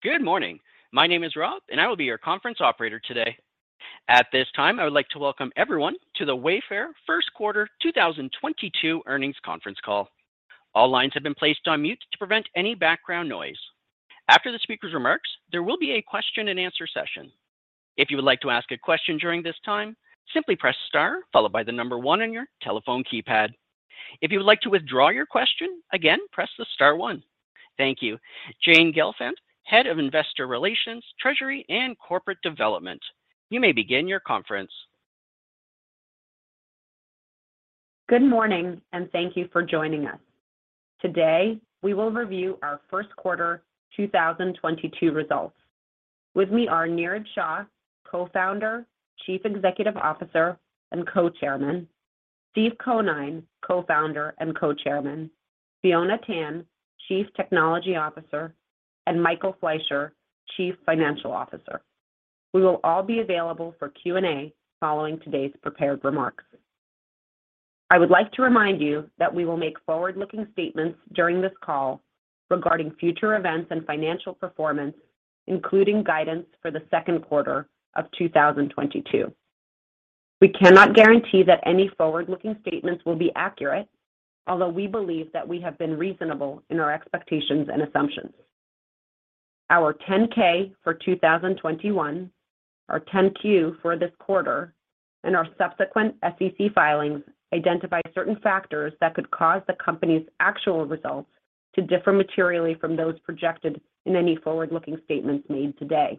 Good morning. My name is Rob, and I will be your Conference Operator today. At this time, I would like to welcome everyone to the Wayfair Q1 2022 Earnings Conference Call. All lines have been placed on mute to prevent any background noise. After the speaker's remarks, there will be a Q&A session. If you would like to ask a question during this time, simply press star followed by the number one on your telephone keypad. If you would like to withdraw your question, again, press the star one. Thank you. Jane Gelfand, Head of Investor Relations, Treasury, and Corporate Development, you may begin your conference. Good morning, and thank you for joining us. Today, we will review our Q1 2022 results. With me are Niraj Shah, Co-founder, Chief Executive Officer, and Co-chairman; Steve Conine, Co-founder and Co-chairman; Fiona Tan, Chief Technology Officer; and Michael Fleisher, Chief Financial Officer. We will all be available for Q&A following today's prepared remarks. I would like to remind you that we will make forward-looking statements during this call regarding future events and financial performance, including guidance for Q2 2022. We cannot guarantee that any forward-looking statements will be accurate, although we believe that we have been reasonable in our expectations and assumptions. Our 10-K for 2021, our 10-Q for this quarter, and our subsequent SEC filings identify certain factors that could cause the company's actual results to differ materially from those projected in any forward-looking statements made today.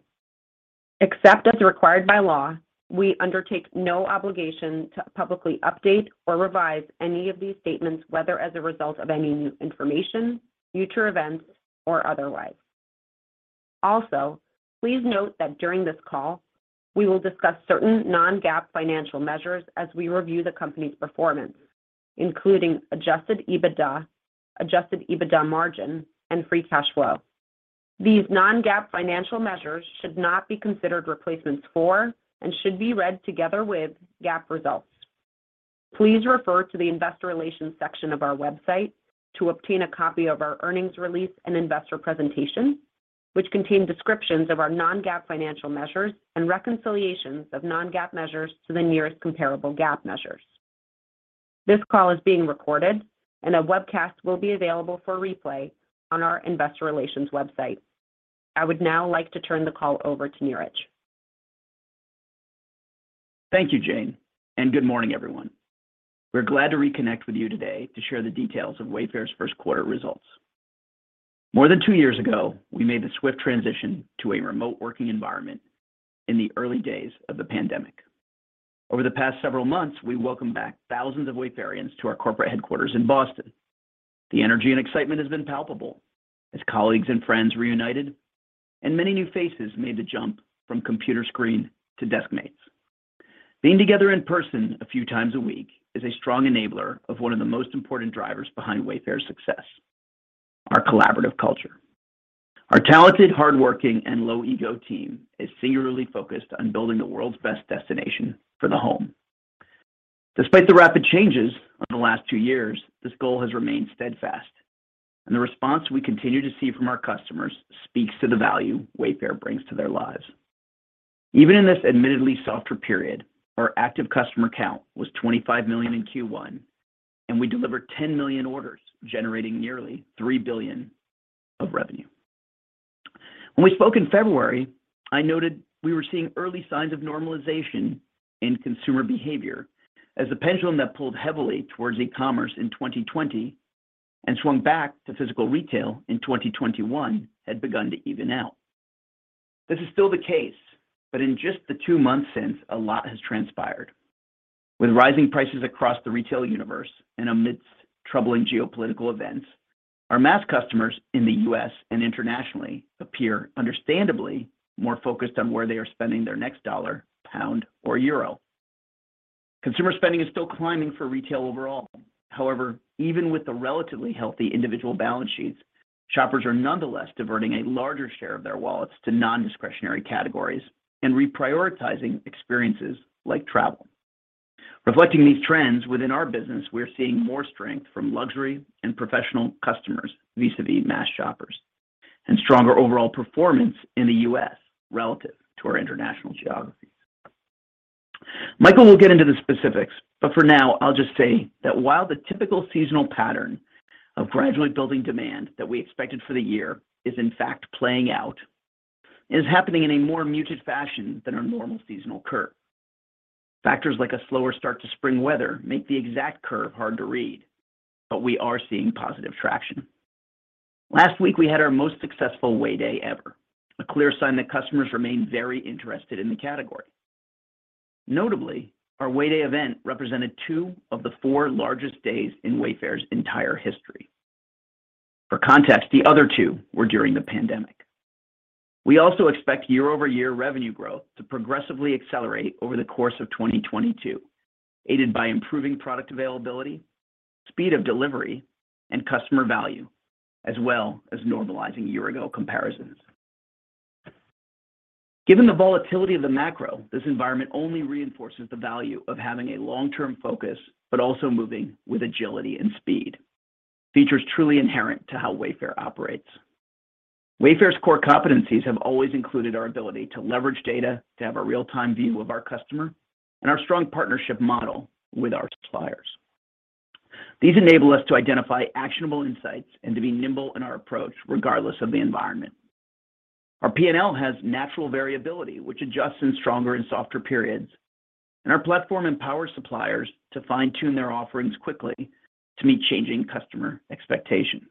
Except as required by law, we undertake no obligation to publicly update or revise any of these statements, whether as a result of any new information, future events, or otherwise. Also, please note that during this call, we will discuss certain non-GAAP financial measures as we review the company's performance, including adjusted EBITDA, adjusted EBITDA margin, and free cash flow. These non-GAAP financial measures should not be considered replacements for and should be read together with GAAP results. Please refer to the Investor Relations section of our website to obtain a copy of our earnings release and investor presentation, which contain descriptions of our non-GAAP financial measures and reconciliations of non-GAAP measures to the nearest comparable GAAP measures. This call is being recorded, and a webcast will be available for replay on our Investor Relations website. I would now like to turn the call over to Niraj. Thank you, Jane, and good morning, everyone. We're glad to reconnect with you today to share the details of Wayfair's Q1 results. More than two years ago, we made the swift transition to a remote working environment in the early days of the pandemic. Over the past several months, we have welcomed back thousands of Wayfarians to our corporate headquarters in Boston. The energy and excitement have been palpable as colleagues and friends reunited, and many new faces made the jump from computer screen to desk mates. Being together in person a few times a week is a strong enabler of one of the most important drivers behind Wayfair's success, our collaborative culture. Our talented, hardworking, and low-ego team is singularly focused on building the world's best destination for the home. Despite the rapid changes of the last two years, this goal has remained steadfast, and the response we continue to see from our customers speaks to the value Wayfair brings to their lives. Even in this admittedly softer period, our active customer count was 25 million in Q1, and we delivered 10 million orders, generating nearly $3 billion of revenue. When we spoke in February, I noted we were seeing early signs of normalization in consumer behavior as the pendulum that pulled heavily towards e-commerce in 2020 and swung back to physical retail in 2021 had begun to even out. This is still the case, but in just the two months since, a lot has transpired. With rising prices across the retail universe and amidst troubling geopolitical events, our mass customers in the US and internationally appear understandably more focused on where they are spending their next dollar, pound, or euro. Consumer spending is still climbing for retail overall. However, even with the relatively healthy individual balance sheets, shoppers are nonetheless diverting a larger share of their wallets to non-discretionary categories and reprioritizing experiences like travel. Reflecting these trends within our business, we're seeing more strength from luxury and professional customers vis-à-vis mass shoppers and stronger overall performance in the US relative to our international geographies. Michael will get into the specifics, but for now, I'll just say that while the typical seasonal pattern of gradually building demand that we expected for the year is in fact playing out, it is happening in a more muted fashion than our normal seasonal curve. Factors like a slower start to spring weather make the exact curve hard to read, but we are seeing positive traction. Last week, we had our most successful Way Day ever, a clear sign that customers remain very interested in the category. Notably, our Way Day event represented two of the four largest days in Wayfair's entire history. For context, the other two were during the pandemic. We also expect year-over-year revenue growth to progressively accelerate over the course of 2022, aided by improving product availability, speed of delivery, and customer value, as well as normalizing year-over-year comparisons. Given the volatility of the macro, this environment only reinforces the value of having a long-term focus, but also moving with agility and speed. Features truly inherent to how Wayfair operates. Wayfair's core competencies have always included our ability to leverage data to have a real-time view of our customer, and our strong partnership model with our suppliers. These enable us to identify actionable insights and to be nimble in our approach, regardless of the environment. Our Profit and Loss has natural variability, which adjusts in stronger and softer periods, and our platform empowers suppliers to fine-tune their offerings quickly to meet changing customer expectations.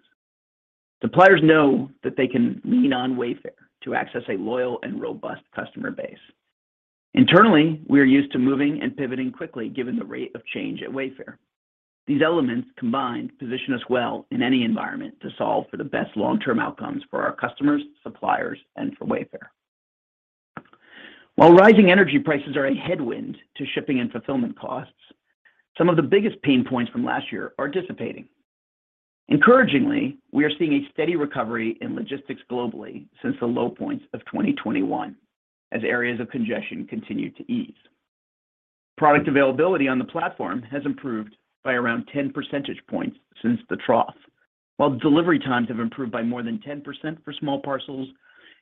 Suppliers know that they can lean on Wayfair to access a loyal and robust customer base. Internally, we are used to moving and pivoting quickly, given the rate of change at Wayfair. These elements combined position us well in any environment to solve for the best long-term outcomes for our customers, suppliers, and for Wayfair. While rising energy prices are a headwind to shipping and fulfillment costs, some of the biggest pain points from last year are dissipating. Encouragingly, we are seeing a steady recovery in logistics globally since the low points of 2021, as areas of congestion continue to ease. Product availability on the platform has improved by around t10% points since the trough, while delivery times have improved by more than 10% for small parcels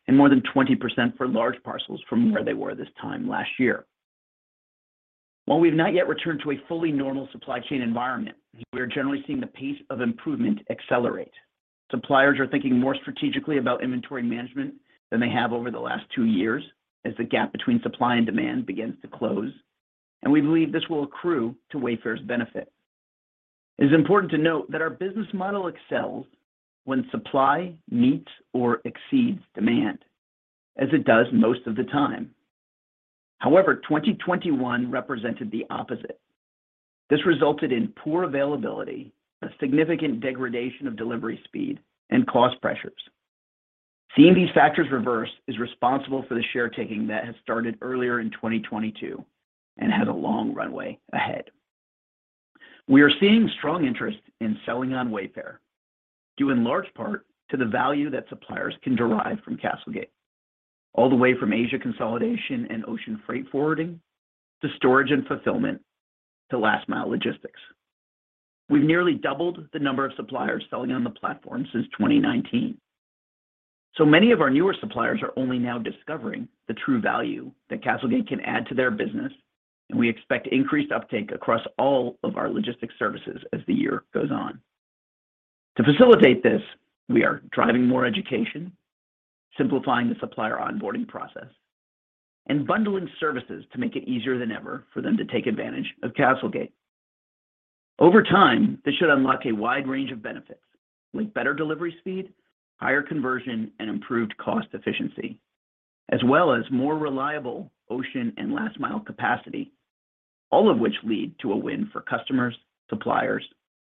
and more than 20% for large parcels from where they were this time last year. While we've not yet returned to a fully normal supply chain environment, we are generally seeing the pace of improvement accelerate. Suppliers are thinking more strategically about inventory management than they have over the last two years, as the gap between supply and demand begins to close, and we believe this will accrue to Wayfair's benefit. It is important to note that our business model excels when supply meets or exceeds demand, as it does most of the time. However, 2021 represented the opposite. This resulted in poor availability, a significant degradation of delivery speed, and cost pressures. Seeing these factors reverse is responsible for the share taking that has started earlier in 2022 and has a long runway ahead. We are seeing strong interest in selling on Wayfair, due in large part to the value that suppliers can derive from CastleGate, all the way from Asia consolidation and ocean freight forwarding to storage and fulfillment to last-mile logistics. We've nearly doubled the number of suppliers selling on the platform since 2019. Many of our newer suppliers are only now discovering the true value that CastleGate can add to their business, and we expect increased uptake across all of our logistics services as the year goes on. To facilitate this, we are driving more education, simplifying the supplier onboarding process, and bundling services to make it easier than ever for them to take advantage of CastleGate. Over time, this should unlock a wide range of benefits like better delivery speed, higher conversion, and improved cost efficiency, as well as more reliable ocean and last-mile capacity, all of which lead to a win for customers, suppliers,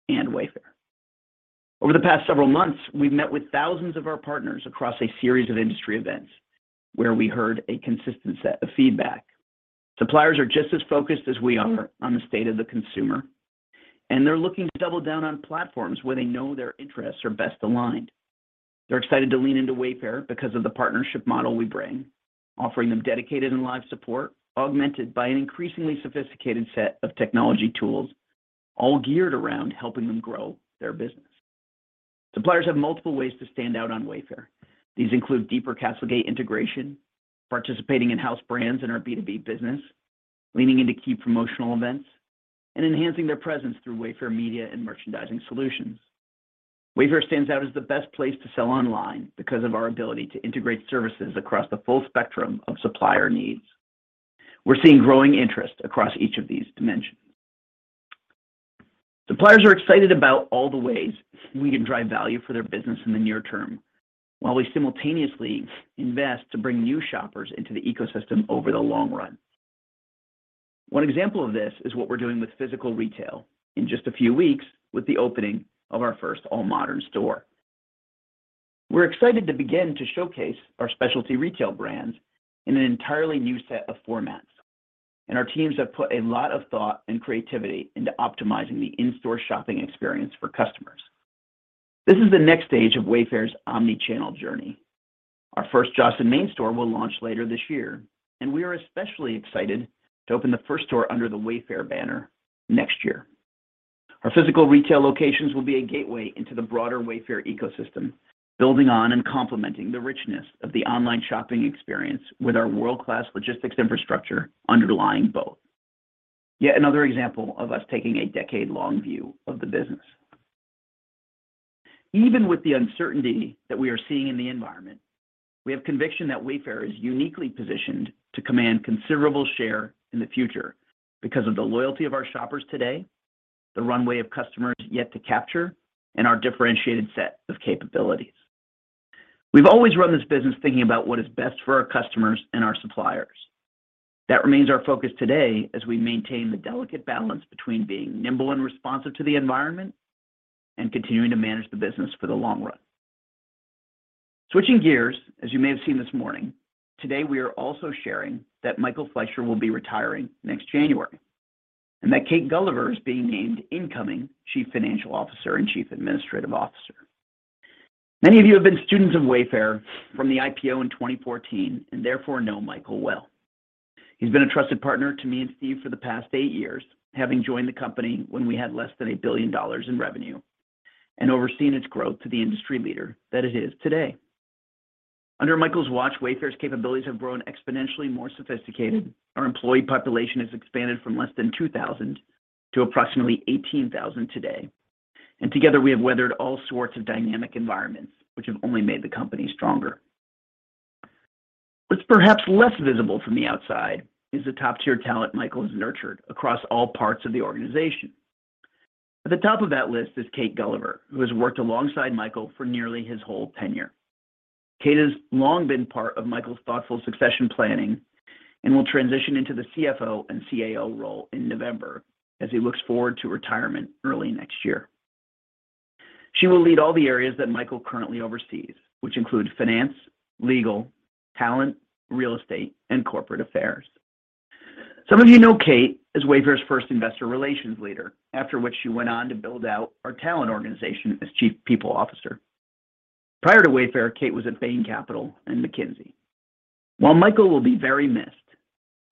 and Wayfair. Over the past several months, we've met with thousands of our partners across a series of industry events where we heard a consistent set of feedback. Suppliers are just as focused as we are on the state of the consumer, and they're looking to double down on platforms where they know their interests are best aligned. They're excited to lean into Wayfair because of the partnership model we bring, offering them dedicated and live support, augmented by an increasingly sophisticated set of technology tools all geared toward helping them grow their business. Suppliers have multiple ways to stand out on Wayfair. These include deeper CastleGate integration, participating in house brands in our B2B business, leaning into key promotional events, and enhancing their presence through Wayfair media and merchandising solutions. Wayfair stands out as the best place to sell online because of our ability to integrate services across the full spectrum of supplier needs. We're seeing growing interest across each of these dimensions. Suppliers are excited about all the ways we can drive value for their business in the near term while we simultaneously invest to bring new shoppers into the ecosystem over the long run. One example of this is what we're doing with physical retail in just a few weeks with the opening of our first AllModern store. We're excited to begin to showcase our specialty retail brands in an entirely new set of formats, and our teams have put a lot of thought and creativity into optimizing the in-store shopping experience for customers. This is the next stage of Wayfair's omnichannel journey. Our first Joss & Main store will launch later this year, and we are especially excited to open the first store under the Wayfair banner next year. Our physical retail locations will be a gateway into the broader Wayfair ecosystem, building on and complementing the richness of the online shopping experience with our world-class logistics infrastructure underlying both. Yet another example of us taking a decade-long view of the business. Even with the uncertainty that we are seeing in the environment, we have conviction that Wayfair is uniquely positioned to command a considerable share in the future because of the loyalty of our shoppers today, the runway of customers yet to capture, and our differentiated set of capabilities. We've always run this business thinking about what is best for our customers and our suppliers. That remains our focus today as we maintain the delicate balance between being nimble and responsive to the environment and continuing to manage the business for the long run. Switching gears, as you may have seen this morning, today we are also sharing that Michael Fleisher will be retiring next January, and that Kate Gulliver is being named the incoming Chief Financial Officer and Chief Administrative Officer. Many of you have been students of Wayfair from the IPO in 2014 and therefore know Michael well. He's been a trusted partner to me and Steve for the past eight years, having joined the company when we had less than $1 billion in revenue and overseen its growth to the industry leader that it is today. Under Michael's watch, Wayfair's capabilities have grown exponentially more sophisticated. Our employee population has expanded from less than 2,000 to approximately 18,000 today. Together, we have weathered all sorts of dynamic environments, which have only made the company stronger. What's perhaps less visible from the outside is the top-tier talent Michael has nurtured across all parts of the organization. At the top of that list is Kate Gulliver, who has worked alongside Michael for nearly his whole tenure. Kate has long been part of Michael's thoughtful succession planning and will transition into the CFO and CAO role in November as he looks forward to retirement early next year. She will lead all the areas that Michael currently oversees, which include finance, legal, talent, real estate, and corporate affairs. Some of you know Kate as Wayfair's first investor relations leader, after which she went on to build out our talent organization as Chief People Officer. Prior to Wayfair, Kate was at Bain Capital and McKinsey. While Michael will be very missed,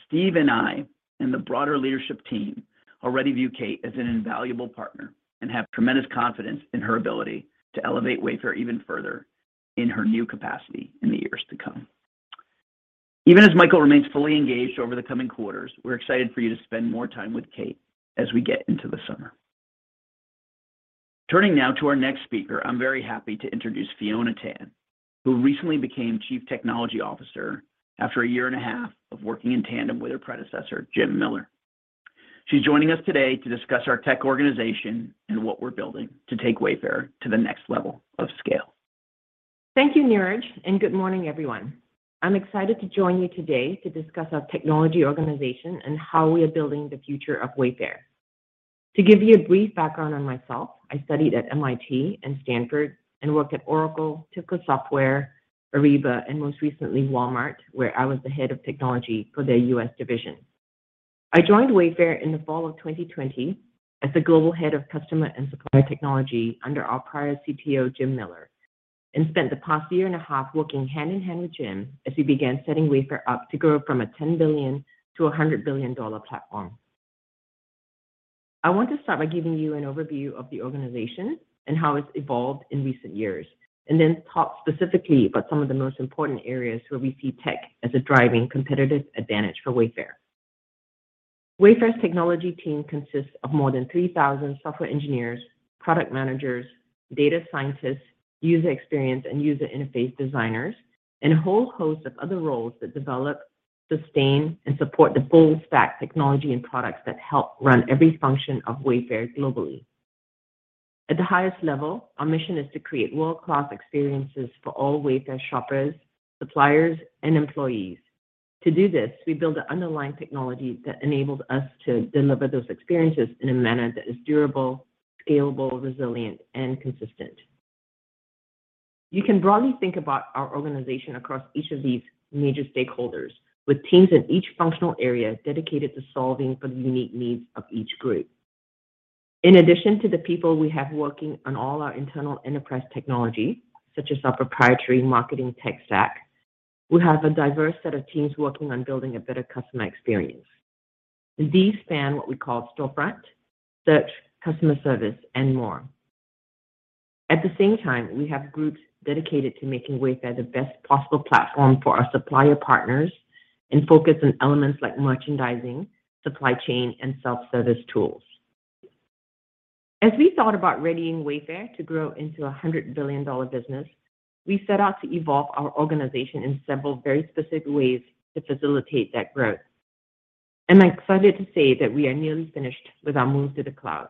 Steve and I, and the broader leadership team already view Kate as an invaluable partner and have tremendous confidence in her ability to elevate Wayfair even further in her new capacity in the years to come. Even as Michael remains fully engaged over the coming quarters, we're excited for you to spend more time with Kate as we get into the summer. Turning now to our next speaker, I'm very happy to introduce Fiona Tan, who recently became Chief Technology Officer after a year and a half of working in tandem with her predecessor, Jim Miller. She's joining us today to discuss our tech organization and what we're building to take Wayfair to the next level of scale. Thank you, Niraj, and good morning, everyone. I'm excited to join you today to discuss our technology organization and how we are building the future of Wayfair. To give you a brief background on myself, I studied at MIT and Stanford and worked at Oracle, TIBCO Software, Ariba, and, most recently, Walmart, where I was the head of technology for their U.S. division. I joined Wayfair in the fall of 2020 as the Global Head of Customer and Supplier Technology under our prior CTO, Jim Miller, and spent the past year and a half working hand in hand with Jim as we began setting Wayfair up to grow from a $10 billion-$100 billion-dollar platform. I want to start by giving you an overview of the organization and how it's evolved in recent years, and then talk specifically about some of the most important areas where we see tech as a driving competitive advantage for Wayfair. Wayfair's technology team consists of more than 3,000 software engineers, product managers, data scientists, user experience and user interface designers, and a whole host of other roles that develop, sustain, and support the full-stack technology and products that help run every function of Wayfair globally. At the highest level, our mission is to create world-class experiences for all Wayfair shoppers, suppliers, and employees. To do this, we build the underlying technology that enables us to deliver those experiences in a manner that is durable, scalable, resilient, and consistent. You can broadly think about our organization across each of these major stakeholders, with teams in each functional area dedicated to solving the unique needs of each group. In addition to the people we have working on all our internal enterprise technology, such as our proprietary marketing tech stack, we have a diverse set of teams working on building a better customer experience. These span what we call storefront, search, customer service, and more. At the same time, we have groups dedicated to making Wayfair the best possible platform for our supplier partners and focus on elements like merchandising, supply chain, and self-service tools. As we thought about readying Wayfair to grow into a $100 billion business, we set out to evolve our organization in several very specific ways to facilitate that growth. I'm excited to say that we are nearly finished with our move to the cloud.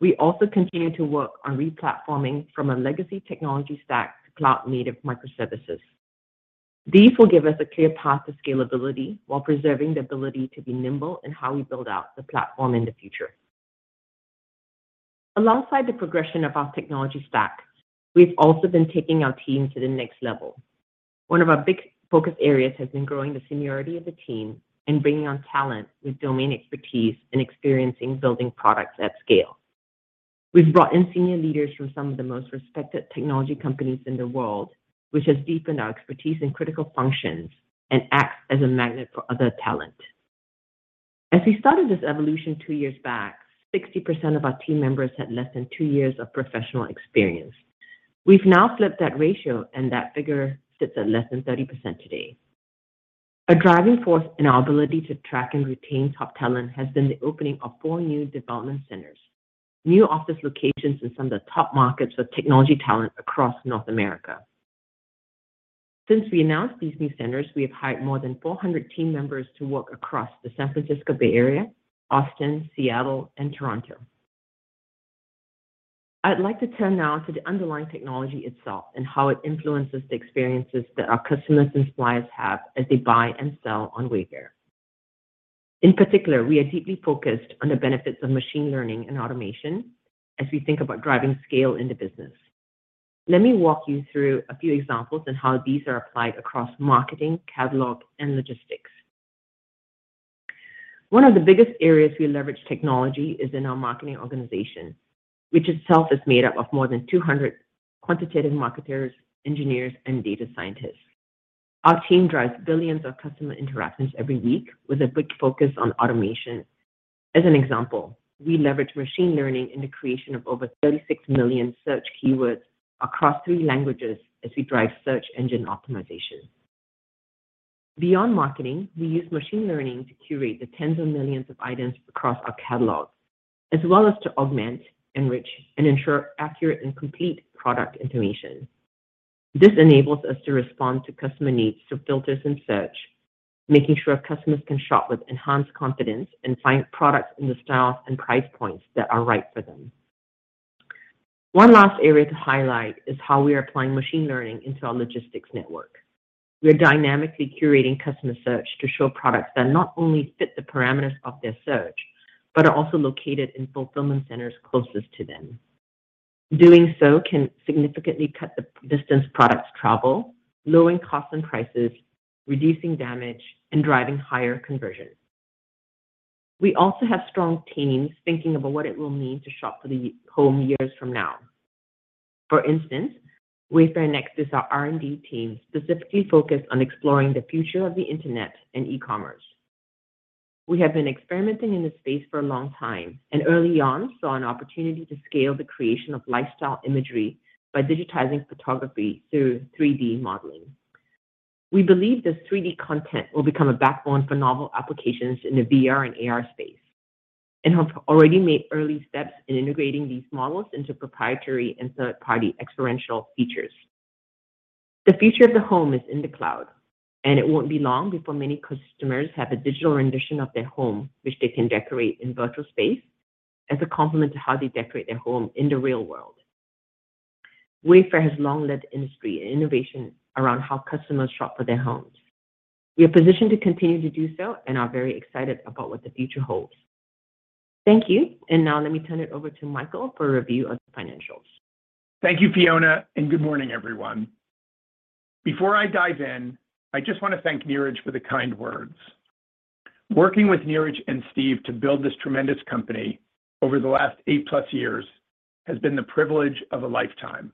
We also continue to work on replatforming from a legacy technology stack to cloud native microservices. These will give us a clear path to scalability while preserving the ability to be nimble in how we build out the platform in the future. Alongside the progression of our technology stack, we've also been taking our team to the next level. One of our big focus areas has been growing the seniority of the team and bringing on talent with domain expertise and experience in building products at scale. We've brought in senior leaders from some of the most respected technology companies in the world, which has deepened our expertise in critical functions and acts as a magnet for other talent. As we started this evolution two years back, 60% of our team members had less than two years of professional experience. We've now flipped that ratio, and that figure sits at less than 30% today. A driving force in our ability to track and retain top talent has been the opening of four new development centers and new office locations in some of the top markets with technology talent across North America. Since we announced these new centers, we have hired more than 400 team members to work across the San Francisco Bay Area, Austin, Seattle, and Toronto. I'd like to turn now to the underlying technology itself and how it influences the experiences that our customers and suppliers have as they buy and sell on Wayfair. In particular, we are deeply focused on the benefits of machine learning and automation as we think about driving scale in the business. Let me walk you through a few examples of how these are applied across marketing, catalog, and logistics. One of the biggest areas we leverage technology is in our marketing organization, which itself is made up of more than 200 quantitative marketers, engineers, and data scientists. Our team drives billions of customer interactions every week with a big focus on automation. As an example, we leverage machine learning in the creation of over 36 million search keywords across three languages as we drive search engine optimization. Beyond marketing, we use machine learning to curate the tens of millions of items across our catalog, as well as to augment, enrich, and ensure accurate and complete product information. This enables us to respond to customer needs through filters and search, making sure customers can shop with enhanced confidence and find products in the styles and price points that are right for them. One last area to highlight is how we are applying machine learning to our logistics network. We are dynamically curating customer search to show products that not only fit the parameters of their search, but are also located in fulfillment centers closest to them. Doing so can significantly cut the distance products travel, lowering costs and prices, reducing damage, and driving higher conversion. We also have strong teams thinking about what it will mean to shop for the home years from now. For instance, Wayfair Next is our R&D team specifically focused on exploring the future of the Internet and e-commerce. We have been experimenting in this space for a long time, and early on saw an opportunity to scale the creation of lifestyle imagery by digitizing photography through 3D modeling. We believe this 3D content will become a backbone for novel applications in the VR and AR space, and have already made early steps in integrating these models into proprietary and third-party experiential features. The future of the home is in the cloud, and it won't be long before many customers have a digital rendition of their home, which they can decorate in virtual space as a complement to how they decorate their home in the real world. Wayfair has long led the industry in innovation around how customers shop for their homes. We are positioned to continue to do so and are very excited about what the future holds. Thank you, and now let me turn it over to Michael for a review of the financials. Thank you, Fiona, and good morning, everyone. Before I dive in, I just want to thank Niraj for the kind words. Working with Niraj and Steve to build this tremendous company over the last eight-plus years has been the privilege of a lifetime.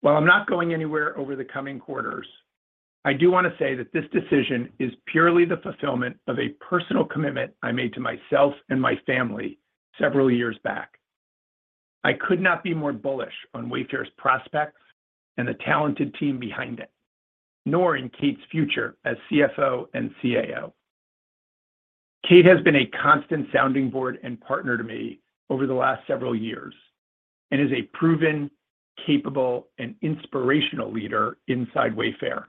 While I'm not going anywhere over the coming quarters, I do want to say that this decision is purely the fulfillment of a personal commitment I made to myself and my family several years back. I could not be more bullish on Wayfair's prospects and the talented team behind it, nor in Kate's future as CFO and CAO. Kate has been a constant sounding board and partner to me over the last several years and is a proven, capable, and inspirational leader inside Wayfair.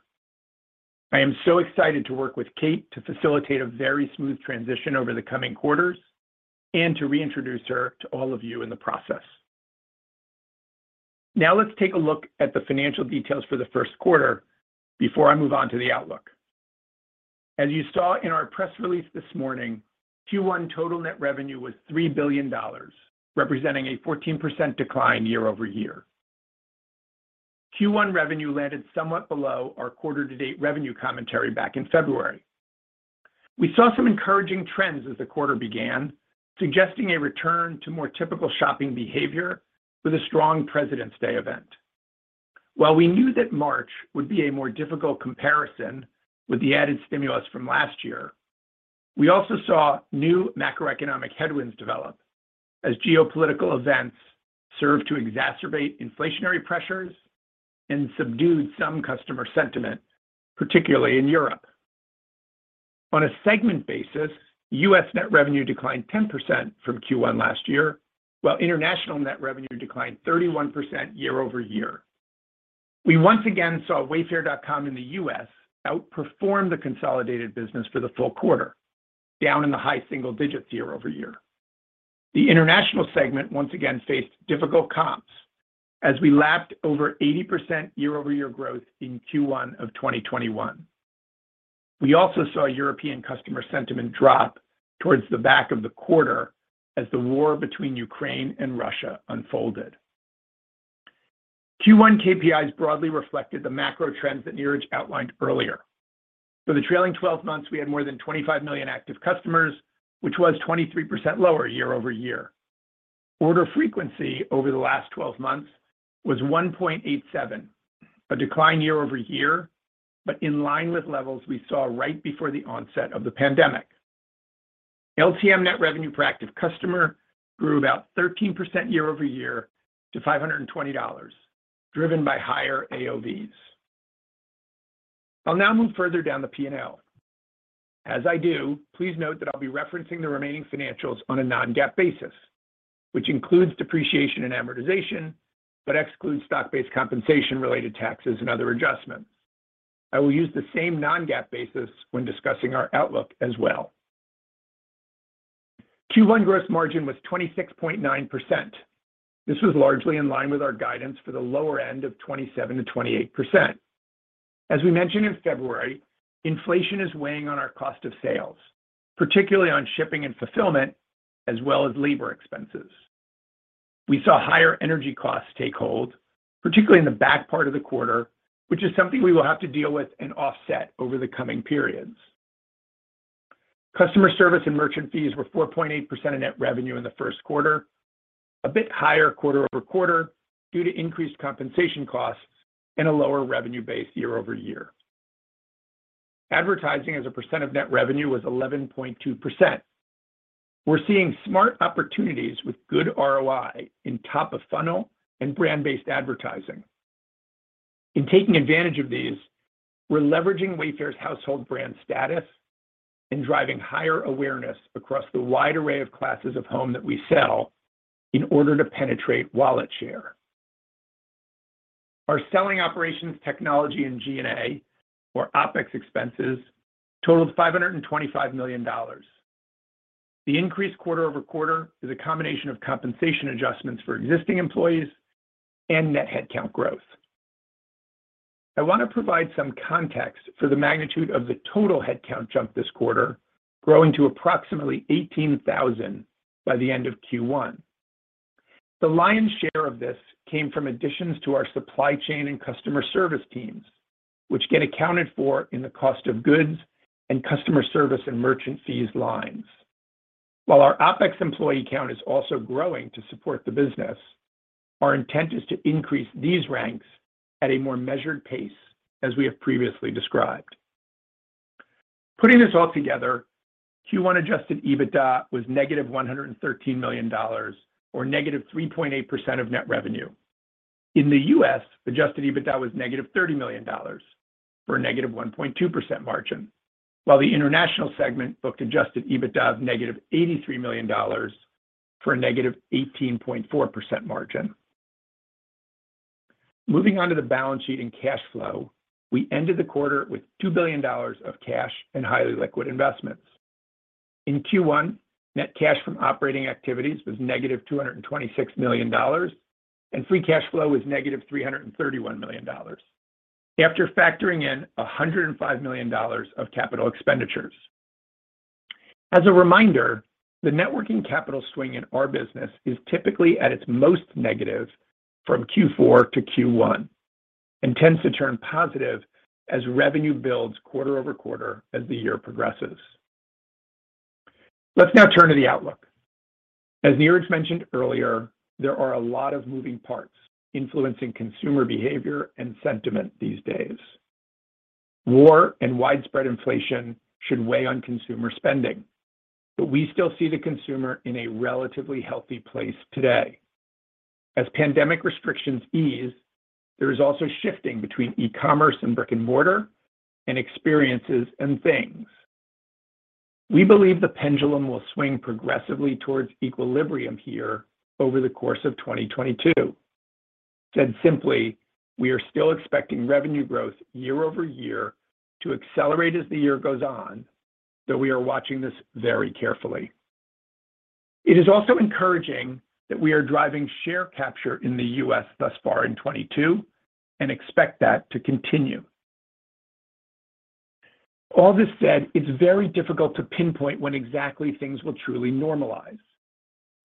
I am so excited to work with Kate to facilitate a very smooth transition over the coming quarters and to reintroduce her to all of you in the process. Now let's take a look at the financial details for Q1 before I move on to the outlook. As you saw in our press release this morning, Q1 total net revenue was $3 billion, representing a 14% decline year-over-year. Q1 revenue landed somewhat below our quarter-to-date revenue commentary back in February. We saw some encouraging trends as the quarter began, suggesting a return to more typical shopping behavior with a strong President's Day event. While we knew that March would be a more difficult comparison with the added stimulus from last year, we also saw new macroeconomic headwinds develop as geopolitical events served to exacerbate inflationary pressures and subdued some customer sentiment, particularly in Europe. On a segment basis, U.S. net revenue declined 10% from Q1 last year, while international net revenue declined 31% year-over-year. We once again saw Wayfair.com in the U.S. outperform the consolidated business for the full quarter, down in the high single digits year-over-year. The international segment once again faced difficult comps as we lapped over 80% year-over-year growth in Q1 of 2021. We also saw European customer sentiment drop towards the back of the quarter as the war between Ukraine and Russia unfolded. Q1 KPIs broadly reflected the macro trends that Niraj outlined earlier. For the trailing twelve months, we had more than 25 million active customers, which was 23% lower year-over-year. Order frequency over the last twelve months was 1.87, a decline year-over-year, but in line with levels we saw right before the onset of the pandemic. LTM net revenue per active customer grew about 13% year-over-year to $520, driven by higher AOVs. I'll now move further down the Profit and Loss. As I do, please note that I'll be referencing the remaining financials on a non-GAAP basis, which includes depreciation and amortization, but excludes stock-based compensation, related taxes, and other adjustments. I will use the same non-GAAP basis when discussing our outlook as well. Q1 gross margin was 26.9%. This was largely in line with our guidance for the lower end of 27%-28%. As we mentioned in February, inflation is weighing on our cost of sales, particularly on shipping and fulfillment, as well as labor expenses. We saw higher energy costs take hold, particularly in the back part of the quarter, which is something we will have to deal with and offset over the coming periods. Customer service and merchant fees were 4.8% of net revenue in Q1, a bit higher quarter-over-quarter due to increased compensation costs and a lower revenue base year-over-year. Advertising as a percent of net revenue was 11.2%. We're seeing smart opportunities with good ROI in top-of-funnel and brand-based advertising. In taking advantage of these, we're leveraging Wayfair's household brand status and driving higher awareness across the wide array of classes of home that we sell in order to penetrate wallet share. Our selling, operations, technology, and G&A, or OPEX expenses, totaled $525 million. The increase quarter-over-quarter is a combination of compensation adjustments for existing employees and net headcount growth. I want to provide some context for the magnitude of the total headcount jump this quarter, growing to approximately 18,000 by the end of Q1. The lion's share of this came from additions to our supply chain and customer service teams, which get accounted for in the cost of goods, customer service, and merchant fees lines. While our OPEX employee count is also growing to support the business, our intent is to increase these ranks at a more measured pace as we have previously described. Putting this all together, Q1 adjusted EBITDA was negative $113 million or negative 3.8% of net revenue. In the US, adjusted EBITDA was -$30 million for a -1.2% margin. The international segment booked adjusted EBITDA of -$83 million for a -18.4% margin. Moving on to the balance sheet and cash flow, we ended the quarter with $2 billion of cash and highly liquid investments. In Q1, net cash from operating activities was -$226 million, and free cash flow was -$331 million after factoring in $105 million of capital expenditures. As a reminder, the working capital swing in our business is typically at its most negative from Q4 to Q1 and tends to turn positive as revenue builds quarter-over-quarter as the year progresses. Let's now turn to the outlook. As Niraj mentioned earlier, there are a lot of moving parts influencing consumer behavior and sentiment these days. War and widespread inflation should weigh on consumer spending, but we still see the consumer in a relatively healthy place today. As pandemic restrictions ease, there is also a shift between e-commerce and brick-and-mortar and experiences and things. We believe the pendulum will swing progressively towards equilibrium here over the course of 2022. Said simply, we are still expecting revenue growth year-over-year to accelerate as the year goes on, though we are watching this very carefully. It is also encouraging that we are driving share capture in the U.S. thus far in 2022 and expect that to continue. All this said, it's very difficult to pinpoint when exactly things will truly normalize.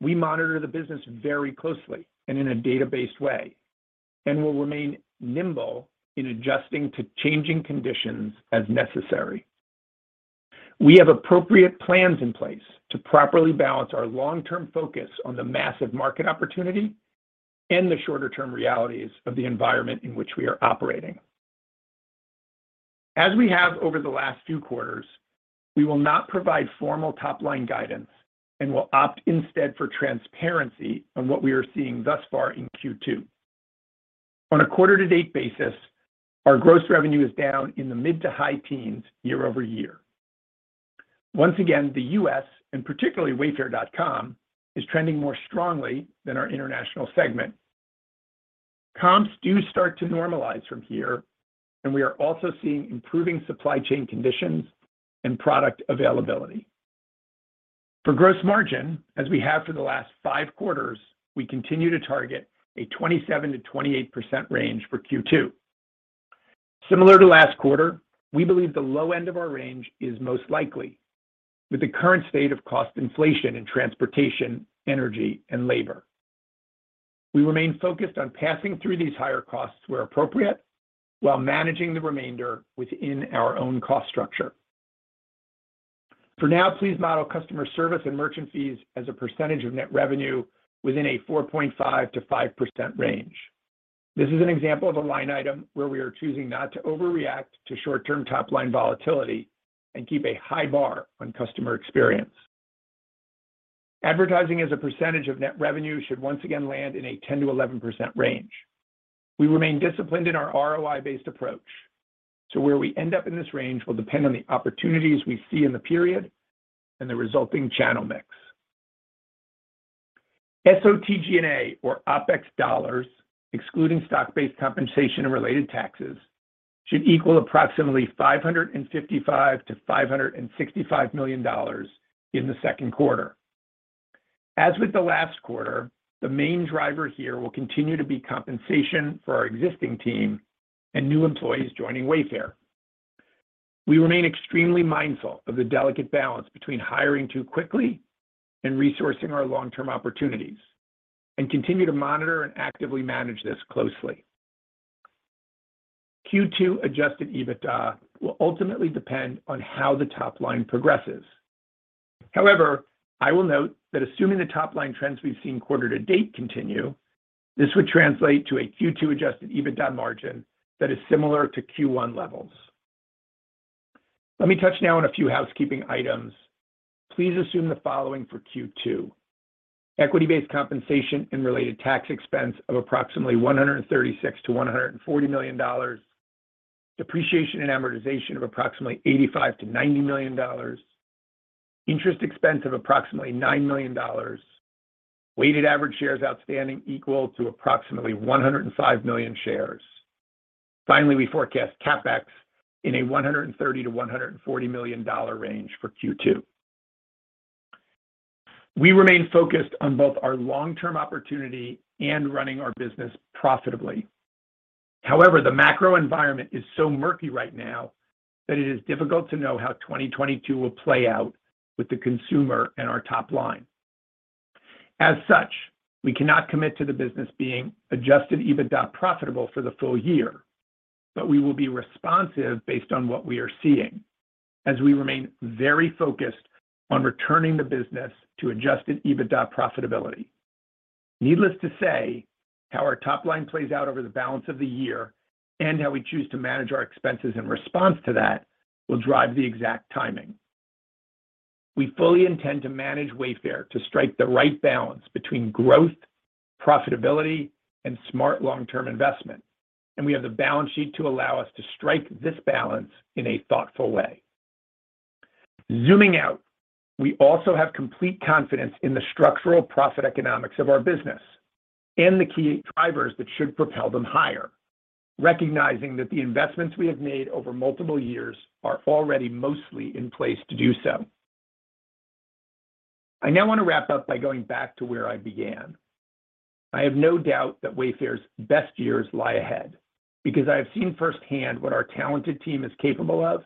We monitor the business very closely and in a data-based way, and we'll remain nimble in adjusting to changing conditions as necessary. We have appropriate plans in place to properly balance our long-term focus on the massive market opportunity and the shorter term realities of the environment in which we are operating. As we have over the last few quarters, we will not provide formal top-line guidance and will opt instead for transparency on what we are seeing thus far in Q2. On a quarter to date basis, our gross revenue is down in the mid- to high-teens% year-over-year. Once again, the U.S., and particularly Wayfair.com, is trending more strongly than our international segment. Comps do start to normalize from here, and we are also seeing improving supply chain conditions and product availability. For gross margin, as we have for the last five quarters, we continue to target a 27%-28% range for Q2. Similar to last quarter, we believe the low end of our range is most likely with the current state of cost inflation in transportation, energy, and labor. We remain focused on passing through these higher costs where appropriate while managing the remainder within our own cost structure. For now, please model customer service and merchant fees as a percentage of net revenue within a 4.5%-5% range. This is an example of a line item where we are choosing not to overreact to short-term top-line volatility and keep a high bar on customer experience. Advertising as a percentage of net revenue should once again land in a 10%-11% range. We remain disciplined in our ROI-based approach. where we end up in this range will depend on the opportunities we see in the period and the resulting channel mix. SG&A, or OPEX dollars, excluding stock-based compensation and related taxes, should equal approximately $555 million-$565 million in Q2. As with the last quarter, the main driver here will continue to be compensation for our existing team and new employees joining Wayfair. We remain extremely mindful of the delicate balance between hiring too quickly and resourcing our long-term opportunities, and continue to monitor and actively manage this closely. Q2 adjusted EBITDA will ultimately depend on how the top line progresses. However, I will note that assuming the top-line trends we've seen quarter to date continue, this would translate to a Q2 adjusted EBITDA margin that is similar to Q1 levels. Let me touch now on a few housekeeping items. Please assume the following for Q2. Equity-based compensation and related tax expense of approximately $136 million-$140 million. Depreciation and amortization of approximately $85 million-$90 million. Interest expense of approximately $9 million. Weighted average shares outstanding are approximately 105 million shares. Finally, we forecast CapEx in a $130 million-$140 million range for Q2. We remain focused on both our long-term opportunity and running our business profitably. However, the macro environment is so murky right now that it is difficult to know how 2022 will play out with the consumer and our top line. As such, we cannot commit to the business being adjusted EBITDA profitable for the full year, but we will be responsive based on what we are seeing as we remain very focused on returning the business to adjusted EBITDA profitability. Needless to say, how our top line plays out over the balance of the year and how we choose to manage our expenses in response to that will drive the exact timing. We fully intend to manage Wayfair to strike the right balance between growth, profitability, and smart long-term investment, and we have the balance sheet to allow us to strike this balance in a thoughtful way. Zooming out, we also have complete confidence in the structural profit economics of our business and the key drivers that should propel them higher. Recognizing that the investments we have made over multiple years are already mostly in place to do so. I now want to wrap up by going back to where I began. I do not doubt that Wayfair's best years lie ahead because I have seen firsthand what our talented team is capable of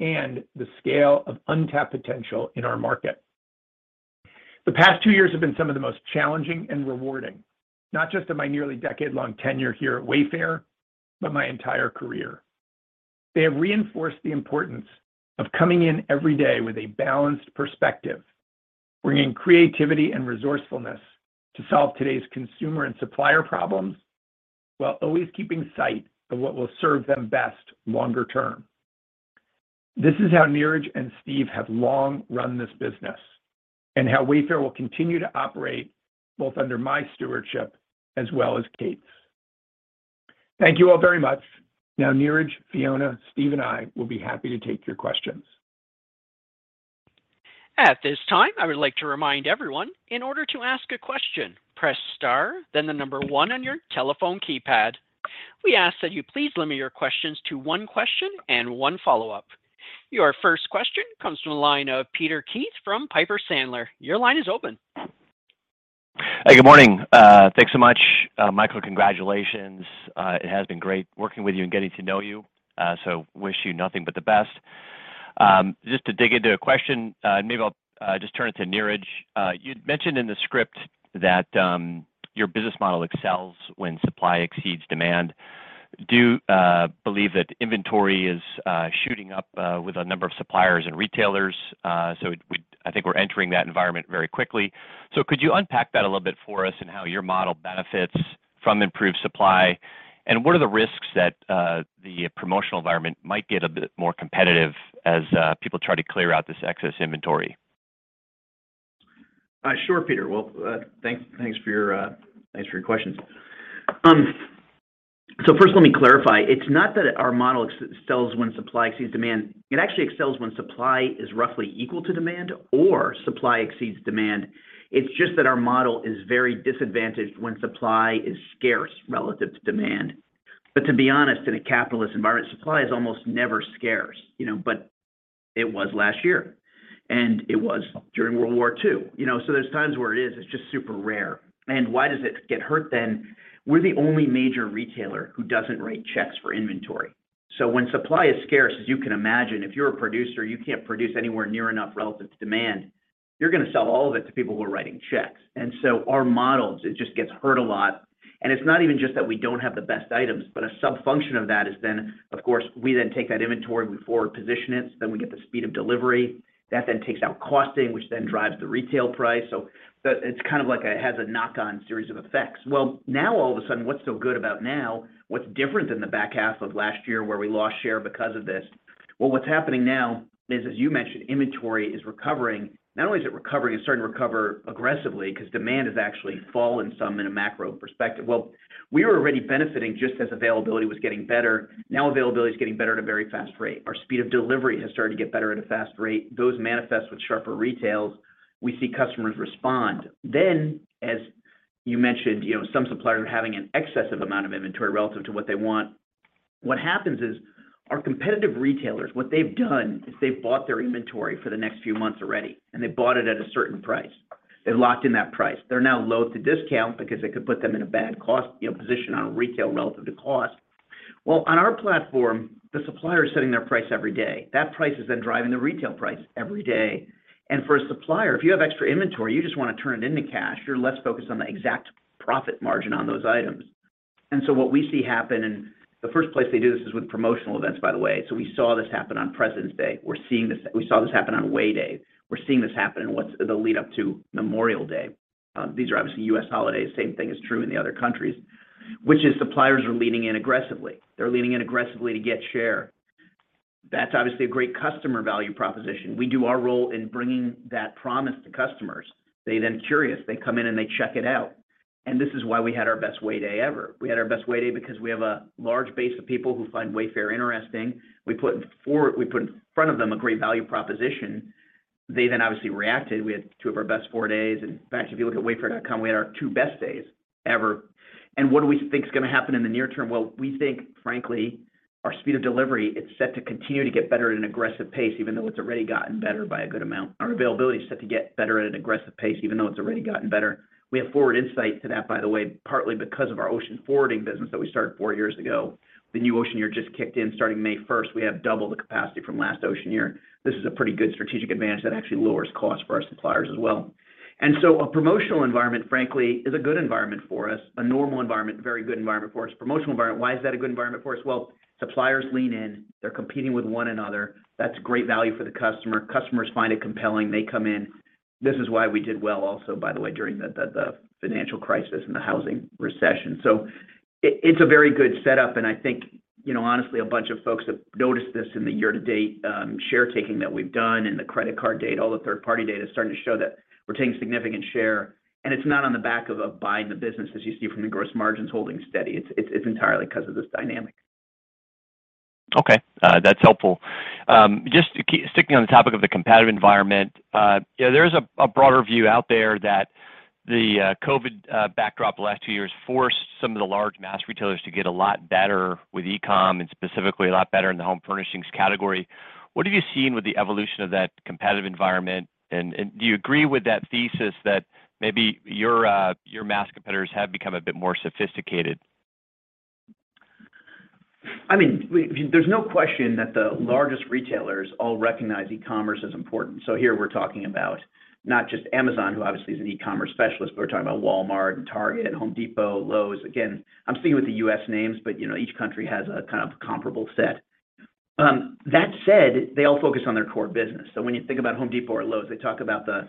and the scale of untapped potential in our market. The past two years have been some of the most challenging and rewarding, not just in my nearly decade-long tenure here at Wayfair, but my entire career. They have reinforced the importance of coming in every day with a balanced perspective, bringing creativity and resourcefulness to solve today's consumer and supplier problems, while always keeping sight of what will serve them best in the long term. This is how Niraj and Steve have long run this business, and how Wayfair will continue to operate both under my stewardship as well as Kate's. Thank you all very much. Now, Niraj, Fiona, Steve, and I will be happy to take your questions. At this time, I would like to remind everyone that in order to ask a question, press star then the number one on your telephone keypad. We ask that you please limit your questions to one question and one follow-up. Your first question comes from the line of Peter Keith from Piper Sandler. Your line is open. Hey, good morning. Thanks so much. Michael, congratulations. It has been great working with you and getting to know you, so I wish you nothing but the best. Just to dig into a question, and maybe I'll just turn it to Niraj. You'd mentioned in the script that your business model excels when supply exceeds demand. Do you believe that inventory is shooting up with a number of suppliers and retailers? I think we're entering that environment very quickly. Could you unpack that a little bit for us, and how your model benefits from improved supply? What are the risks that the promotional environment might get a bit more competitive as people try to clear out this excess inventory? Sure, Peter. Well, thanks for your questions. So first, let me clarify. It's not that our model excels when supply exceeds demand. It actually excels when supply is roughly equal to demand or supply exceeds demand. It's just that our model is very disadvantaged when supply is scarce relative to demand. To be honest, in a capitalist environment, supply is almost never scarce, you know. It was last year and it was during World War II. You know, there's times where it is, it's just super rare. Why does it get hurt then? We're the only major retailer who doesn't write checks for inventory. When supply is scarce, as you can imagine, if you're a producer, you can't produce anywhere near enough relative to demand. You're gonna sell all of it to people who are writing checks. Our models, it just gets hurt a lot. It's not even just that we don't have the best items, but a subfunction of that is then, of course, we then take that inventory, we forward position it, then we get the speed of delivery. That then takes out costing, which then drives the retail price. The. It's kind of like it has a knock-on series of effects. Now all of a sudden, what's so good about now, what's different than the back half of last year where we lost share because of this. What's happening now is, as you mentioned, inventory is recovering. Not only is it recovering, it's starting to recover aggressively because demand has actually fallen some in a macro perspective. We were already benefiting just as availability was getting better. Now availability is getting better at a very fast rate. Our speed of delivery has started to get better at a fast rate. Those manifest with sharper retail. We see customers respond. As you mentioned, you know, some suppliers are having an excessive amount of inventory relative to what they want. What happens is our competitive retailers, what they've done. If they've bought their inventory for the next few months already, and they bought it at a certain price, they've locked in that price. They're now loath to discount because it could put them in a bad cost, you know, position on retail relative to cost. Well, on our platform, the supplier is setting their price every day. That price is then driving the retail price every day. For a supplier, if you have extra inventory, you just wanna turn it into cash. You're less focused on the exact profit margin on those items. What we see happen, and the first place they do this is with promotional events, by the way. We saw this happen on President's Day. We saw this happen on Way Day. We're seeing this happen in what's the lead up to Memorial Day. These are obviously U.S. holidays. Same thing is true in the other countries, which is suppliers are leaning in aggressively. They're leaning in aggressively to get share. That's obviously a great customer value proposition. We do our role in bringing that promise to customers. They then curious, they come in, and they check it out. This is why we had our best Way Day ever. We had our best Way Day because we have a large base of people who find Wayfair interesting. We put in front of them a great value proposition. They then obviously reacted. We had two of our best four days. In fact, if you look at Wayfair.com, we had our two best days ever. What do we think is gonna happen in the near term? Well, we think, frankly, our speed of delivery, it's set to continue to get better at an aggressive pace, even though it's already gotten better by a good amount. Our availability is set to get better at an aggressive pace, even though it's already gotten better. We have forward insight to that, by the way, partly because of our Ocean forwarding business that we started four years ago. The new Ocean year just kicked in starting May first. We have double the capacity from last Ocean year. This is a pretty good strategic advantage that actually lowers cost for our suppliers as well. A promotional environment, frankly, is a good environment for us. A normal environment, a very good environment for us. Promotional environment, why is that a good environment for us? Well, suppliers lean in. They're competing with one another. That's great value for the customer. Customers find it compelling. They come in. This is why we did well also, by the way, during the financial crisis and the housing recession. It's a very good setup, and I think, you know, honestly, a bunch of folks have noticed this in the year to date, share taking that we've done and the credit card data. All the third-party data is starting to show that we're taking significant share, and it's not on the back of buying the business, as you see from the gross margins holding steady. It's entirely 'cause of this dynamic. Okay. That's helpful. Just sticking on the topic of the competitive environment, yeah, there is a broader view out there that the COVID backdrop the last two years forced some of the large mass retailers to get a lot better with e-com and specifically a lot better in the home furnishings category. What have you seen with the evolution of that competitive environment? And do you agree with that thesis that maybe your mass competitors have become a bit more sophisticated? I mean, there's no question that the largest retailers all recognize e-commerce as important. Here we're talking about not just Amazon, who obviously is an e-commerce specialist, but we're talking about Walmart and Target, Home Depot, Lowe's. Again, I'm sticking with the U.S. names, but, you know, each country has a kind of comparable set. That said, they all focus on their core business. When you think about Home Depot or Lowe's, they talk about the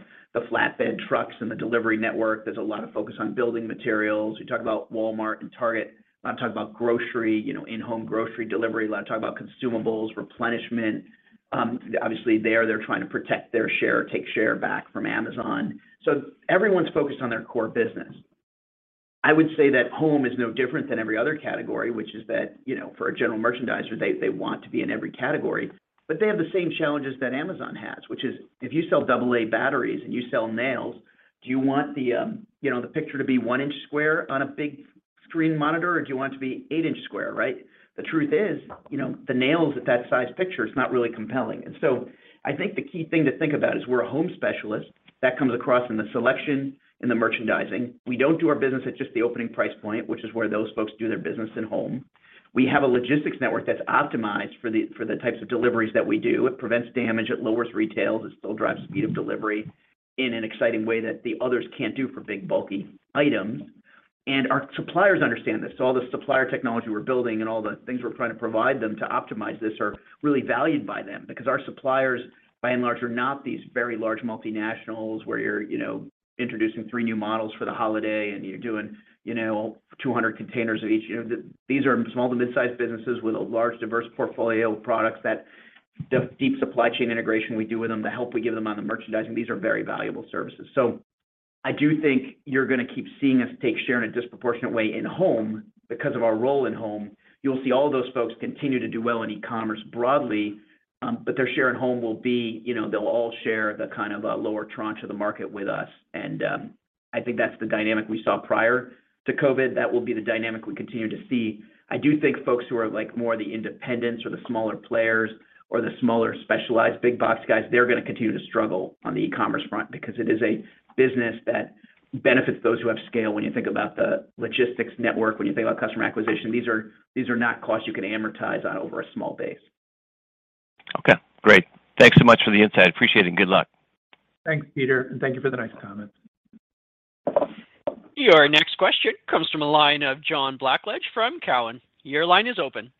flatbed trucks and the delivery network. There's a lot of focus on building materials. You talk about Walmart and Target, a lot of talk about grocery, you know, in-home grocery delivery, a lot of talk about consumables, replenishment. Obviously, they're trying to protect their share, take share back from Amazon. Everyone's focused on their core business. I would say that home is no different than every other category, which is that, you know, for a general merchandiser, they want to be in every category. But they have the same challenges that Amazon has, which is if you sell double A batteries and you sell nails, do you want the, you know, the picture to be one-inch square on a big screen monitor, or do you want it to be eight-inch square, right? The truth is, you know, the nails at that size picture is not really compelling. I think the key thing to think about is we're a home specialist. That comes across in the selection and the merchandising. We don't do our business at just the opening price point, which is where those folks do their business in home. We have a logistics network that's optimized for the types of deliveries that we do. It prevents damage, it lowers returns, it still drives speed of delivery in an exciting way that the others can't do for big, bulky items. Our suppliers understand this. All the supplier technology we're building and all the things we're trying to provide them to optimize this are really valued by them because our suppliers, by and large, are not these very large multinationals where you're, you know, introducing three new models for the holiday and you're doing, you know, 200 containers of each. You know, these are small to mid-sized businesses with a large, diverse portfolio of products that the deep supply chain integration we do with them, the help we give them on the merchandising, these are very valuable services. I do think you're gonna keep seeing us take share in a disproportionate way in home because of our role in home. You'll see all those folks continue to do well in e-commerce broadly, but their share in home will be, you know, they'll all share the kind of lower tranche of the market with us. I think that's the dynamic we saw prior to COVID. That will be the dynamic we continue to see. I do think folks who are, like, more the independents or the smaller players or the smaller specialized big box guys, they're gonna continue to struggle on the e-commerce front because it is a business that benefits those who have scale when you think about the logistics network, when you think about customer acquisition. These are not costs you can amortize on over a small base. Okay, great. Thanks so much for the insight. Appreciate it, and good luck. Thanks, Peter, and thank you for the nice comments. Your next question comes from the line of John Blackledge from Cowen. Your line is open.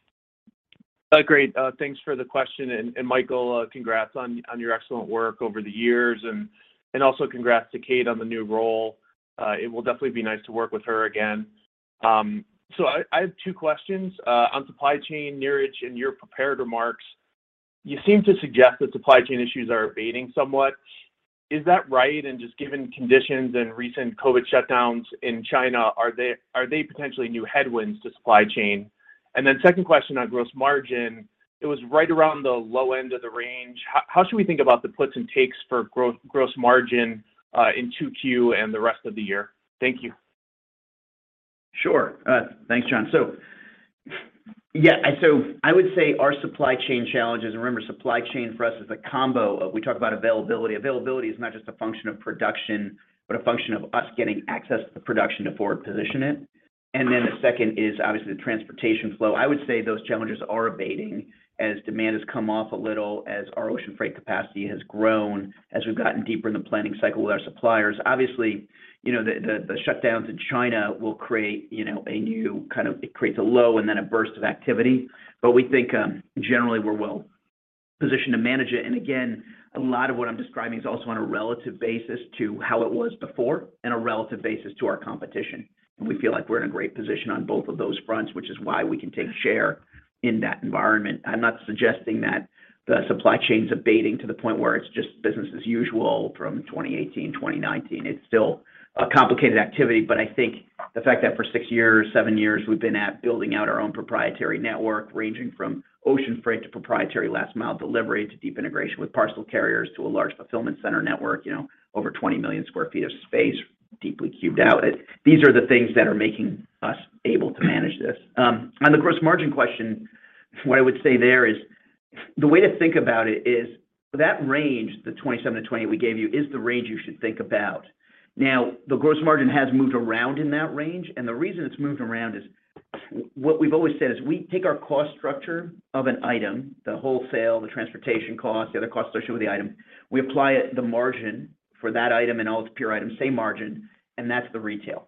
Great. Thanks for the question. And Michael, congrats on your excellent work over the years. Also congrats to Kate on the new role. It will definitely be nice to work with her again. So I have two questions. On supply chain, Niraj, in your prepared remarks, you seem to suggest that supply chain issues are abating somewhat. Is that right? Just given conditions and recent COVID shutdowns in China, are they potentially new headwinds to supply chain? Then second question on gross margin, it was right around the low end of the range. How should we think about the puts and takes for gross margin in Q2 and the rest of the year? Thank you. Sure. Thanks, John. So, yeah, I would say our supply chain challenges. Remember, supply chain for us is a combo of, we talk about availability. Availability is not just a function of production, but a function of us getting access to the production to forward position it. Then the second is obviously the transportation flow. I would say those challenges are abating as demand has come off a little, as our ocean freight capacity has grown, as we've gotten deeper in the planning cycle with our suppliers. Obviously, you know, the shutdowns in China will create, you know, a new kind of low and then a burst of activity. We think generally we're well-positioned to manage it. A lot of what I'm describing is also on a relative basis to how it was before and a relative basis to our competition. We feel like we're in a great position on both of those fronts, which is why we can take share in that environment. I'm not suggesting that the supply chain's abating to the point where it's just business as usual from 2018, 2019. It's still a complicated activity, but I think the fact that for six years, seven years, we've been at building out our own proprietary network, ranging from ocean freight to proprietary last mile delivery to deep integration with parcel carriers to a large fulfillment center network, you know, over 20 million sq ft of space deeply cubed out. These are the things that are making us able to manage this. On the gross margin question, what I would say there is the way to think about it is that range, the 27%-20% we gave you, is the range you should think about. Now, the gross margin has moved around in that range, and the reason it's moved around is what we've always said is we take our cost structure of an item, the wholesale, the transportation cost, the other costs associated with the item. We apply it, the margin for that item, and all its peer items, same margin, and that's the retail.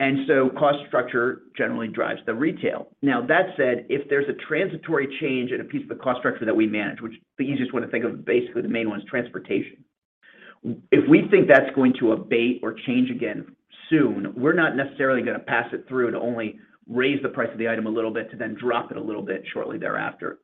Cost structure generally drives the retail. Now, that said, if there's a transitory change in a piece of the cost structure that we manage, which the easiest one to think of is basically the main one is transportation. If we think that's going to abate or change again soon, we're not necessarily going to pass it through to only raise the price of the item a little bit to then drop it a little bit shortly thereafter.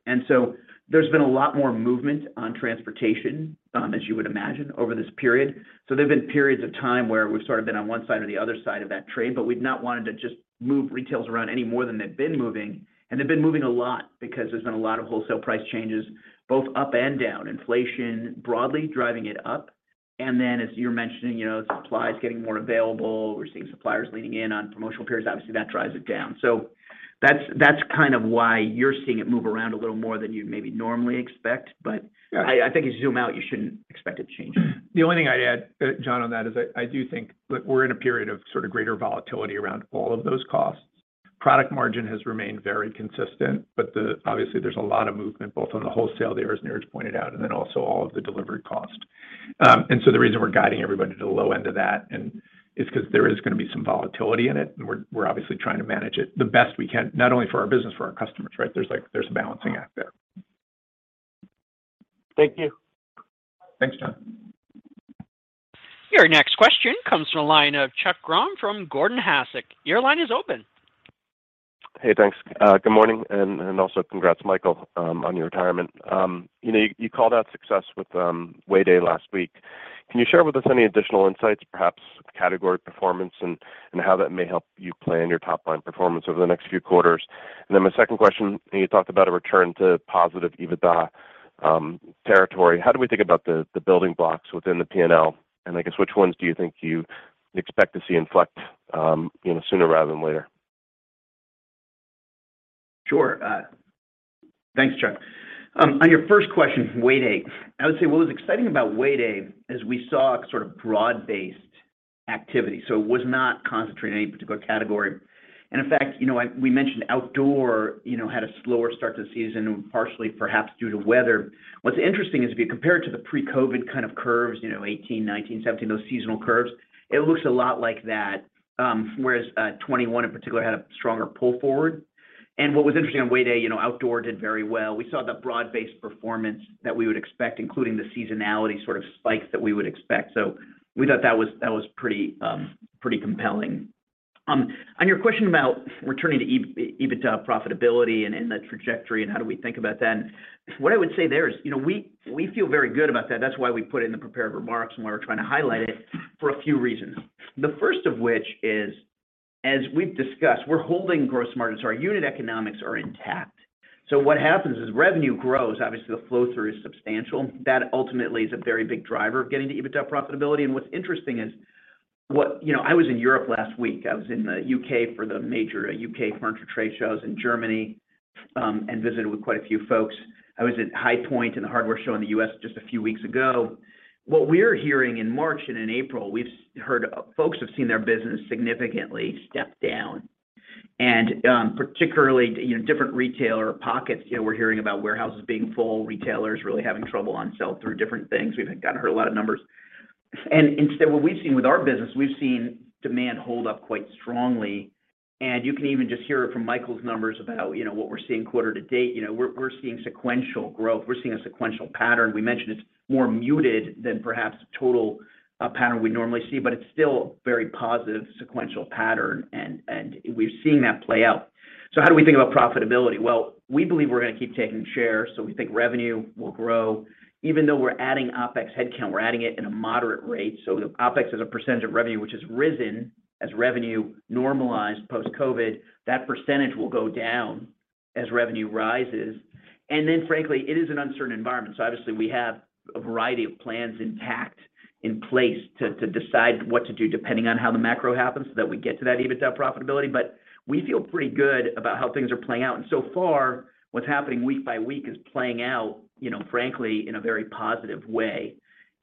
There's been a lot more movement on transportation, as you would imagine, over this period. There have been periods of time where we've sort of been on one side or the other side of that trade, but we've not wanted to just move retails around any more than they've been moving. They've been moving a lot because there's been a lot of wholesale price changes both up and down. Inflation broadly driving it up. As you're mentioning, you know, supplies getting more available. We're seeing suppliers leaning in on promotional periods. Obviously, that drives it down. That's kind of why you're seeing it move around a little more than you'd maybe normally expect. But I think if you zoom out, you shouldn't expect it to change. The only thing I'd add, John, on that is I do think that we're in a period of sort of greater volatility around all of those costs. Product margin has remained very consistent, but obviously, there's a lot of movement both on the wholesale there, as Niraj pointed out, and then also all of the delivery cost. The reason we're guiding everybody to the low end of that is because there is going to be some volatility in it, and we're obviously trying to manage it the best we can, not only for our business, for our customers, right? There's a balancing act there. Thank you. Thanks, John. Your next question comes from the line of Chuck Grom from Gordon Haskett. Your line is open. Hey, thanks. Good morning, and also congrats, Michael, on your retirement. You know, you called out success with Way Day last week. Can you share with us any additional insights, perhaps category performance and how that may help you plan your top line performance over the next few quarters? My second question, you talked about a return to positive EBITDA territory. How do we think about the building blocks within the Profit and Loss? I guess which ones do you think you expect to see inflect, you know, sooner rather than later? Sure. Thanks, Chuck. On your first question, Way Day, I would say what was exciting about Way Day is we saw sort of broad-based activity. It was not concentrated in any particular category. In fact, you know, we mentioned outdoor, you know, had a slower start to the season, partially perhaps due to weather. What's interesting is if you compare it to the pre-COVID kind of curves, you know, 18, 19, 17, those seasonal curves, it looks a lot like that. Whereas, 21 in particular had a stronger pull forward. What was interesting on Way Day, you know, outdoor did very well. We saw the broad-based performance that we would expect, including the seasonality sort of spikes that we would expect. We thought that was pretty compelling. On your question about returning to EBITDA profitability and the trajectory and how do we think about that, what I would say there is, you know, we feel very good about that. That's why we put it in the prepared remarks and why we're trying to highlight it for a few reasons. The first of which is, as we've discussed, we're holding gross margins. Our unit economics are intact. What happens is revenue grows. Obviously, the flow-through is substantial. That ultimately is a very big driver of getting to EBITDA profitability. What's interesting is. You know, I was in Europe last week. I was in the U.K. for the major U.K. furniture trade shows in Germany and visited with quite a few folks. I was at High Point and the hardware show in the U.S. just a few weeks ago. What we're hearing in March and in April, we've heard folks have seen their business significantly step down. Particularly, you know, different retailer pockets. You know, we're hearing about warehouses being full, retailers really having trouble on sell-through, different things. We've kind of heard a lot of numbers. Instead, what we've seen with our business, we've seen demand hold up quite strongly. You can even just hear it from Michael's numbers about, you know, what we're seeing quarter to date. You know, we're seeing sequential growth. We're seeing a sequential pattern. We mentioned it's more muted than perhaps the total pattern we'd normally see, but it's still a very positive sequential pattern. We've seen that play out. How do we think about profitability? Well, we believe we're going to keep taking share, so we think revenue will grow. Even though we're adding OpEx headcount, we're adding it in a moderate rate. The OpEx as a percentage of revenue, which has risen as revenue normalized post-COVID, that percentage will go down. As revenue rises, and then frankly, it is an uncertain environment. Obviously, we have a variety of plans intact in place to decide what to do depending on how the macro happens so that we get to that EBITDA profitability. We feel pretty good about how things are playing out. So far, what's happening week by week is playing out, you know, frankly, in a very positive way.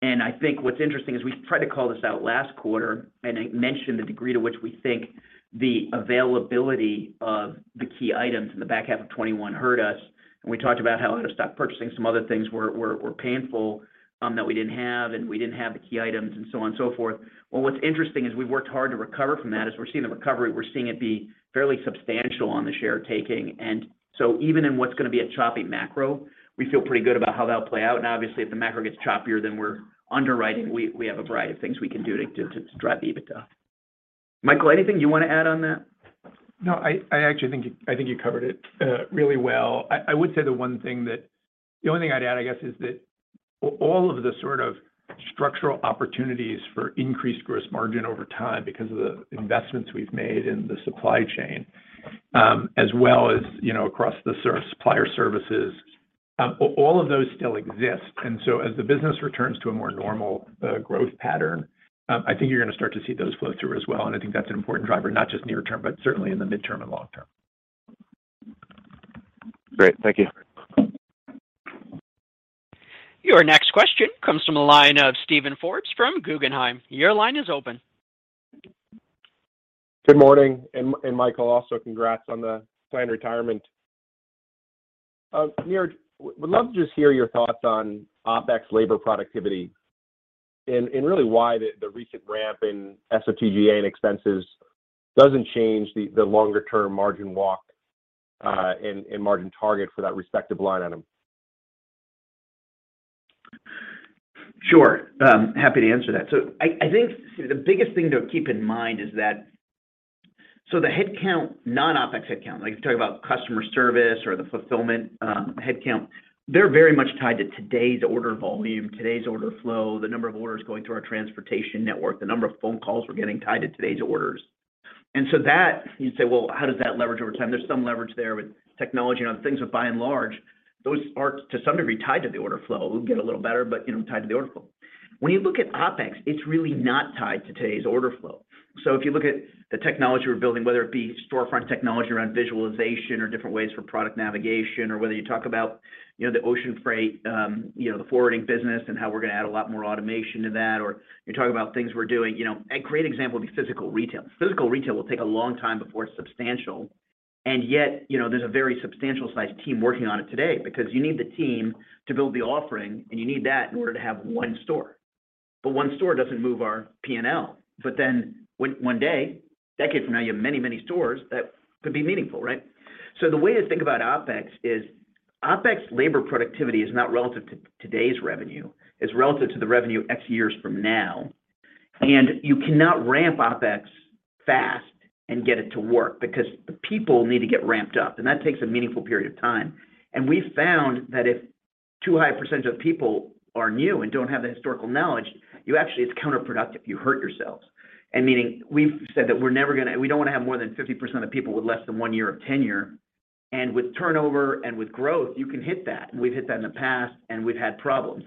I think what's interesting is we tried to call this out last quarter, and I mentioned the degree to which we think the availability of the key items in the back half of 2021 hurt us. We talked about how out of stock purchasing some other things were painful, that we didn't have, and we didn't have the key items and so on and so forth. Well, what's interesting is we worked hard to recover from that. As we're seeing the recovery, we're seeing it be fairly substantial on the share taking. Even in what's gonna be a choppy macro, we feel pretty good about how that will play out. Obviously, if the macro gets choppier, then we're underwriting, we have a variety of things we can do to drive EBITDA. Michael, anything you wanna add on that? No, I actually think you covered it really well. I would say the only thing I'd add, I guess, is that all of the sort of structural opportunities for increased gross margin over time because of the investments we've made in the supply chain, as well as, you know, across the supplier services, all of those still exist. As the business returns to a more normal growth pattern, I think you're gonna start to see those flow through as well. I think that's an important driver, not just near term, but certainly in the midterm and long term. Great. Thank you. Your next question comes from the line of Steven Forbes from Guggenheim. Your line is open. Good morning. Michael, also congrats on the planned retirement. Niraj, would love to just hear your thoughts on OpEx labor productivity and really why the recent ramp in SG&A and expenses doesn't change the longer term margin walk, and margin target for that respective line item. Sure. I'm happy to answer that. I think the biggest thing to keep in mind is that so the headcount, non-OPEX headcount, like if you talk about customer service or the fulfillment, headcount, they're very much tied to today's order volume, today's order flow, the number of orders going through our transportation network, the number of phone calls we're getting tied to today's orders. That, you say, "Well, how does that leverage over time?" There's some leverage there with technology and things, but by and large, those are, to some degree, tied to the order flow. It will get a little better, but, you know, tied to the order flow. When you look at OPEX, it's really not tied to today's order flow. If you look at the technology we're building, whether it be storefront technology around visualization or different ways for product navigation, or whether you talk about, you know, the ocean freight, you know, the forwarding business and how we're gonna add a lot more automation to that, or you talk about things we're doing, you know. A great example would be physical retail. Physical retail will take a long time before it's substantial. Yet, you know, there's a very substantial-size team working on it today because you need the team to build the offering, and you need that in order to have one store. One store doesn't move our Profit and Loss. Then one day, decades from now, you have many, many stores that could be meaningful, right? The way to think about OpEx is OpEx labor productivity is not relative to today's revenue. It's relative to the revenue X years from now. You cannot ramp OPEX fast and get it to work because the people need to get ramped up, and that takes a meaningful period of time. We found that if too high percentage of people are new and don't have the historical knowledge, you actually. It's counterproductive, you hurt yourselves. Meaning we've said that we're never gonna. We don't wanna have more than 50% of people with less than one year of tenure. With turnover and with growth, you can hit that. We've hit that in the past, and we've had problems.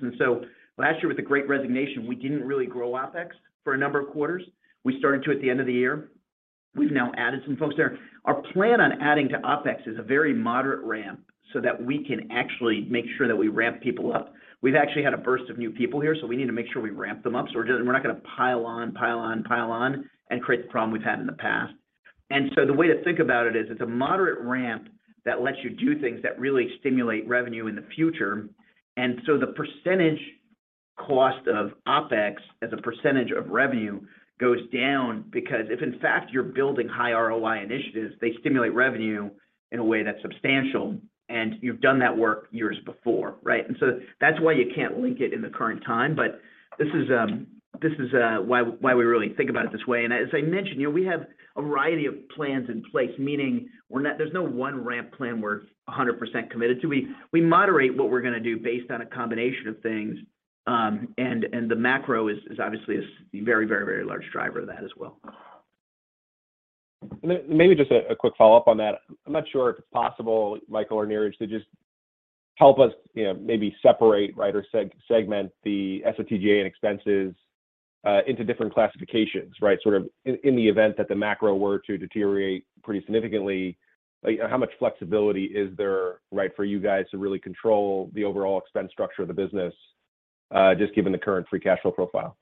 Last year with the Great Resignation, we didn't really grow OPEX for a number of quarters. We started to at the end of the year. We've now added some folks there. Our plan on adding to OpEx is a very moderate ramp so that we can actually make sure that we ramp people up. We've actually had a burst of new people here, so we need to make sure we ramp them up. We're not gonna pile on and create the problem we've had in the past. The way to think about it is it's a moderate ramp that lets you do things that really stimulate revenue in the future. The percentage cost of OpEx as a percentage of revenue goes down because if in fact, you're building high ROI initiatives, they stimulate revenue in a way that's substantial, and you've done that work years before, right? That's why you can't link it in the current time. This is why we really think about it this way. As I mentioned, you know, we have a variety of plans in place, meaning there's no one ramp plan we're 100% committed to. We moderate what we're gonna do based on a combination of things. The macro is obviously a very large driver of that as well. Maybe just a quick follow-up on that. I'm not sure if it's possible, Michael or Niraj, to just help us, you know, maybe separate, right, or segment the SG&A and expenses into different classifications, right? Sort of in the event that the macro were to deteriorate pretty significantly, how much flexibility is there, right, for you guys to really control the overall expense structure of the business, just given the current free cash flow profile?